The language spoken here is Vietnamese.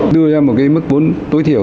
đưa ra một cái mức tối thiểu